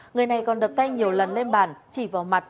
người này còn đập tay nhiều lần lên bàn chỉ vào mặt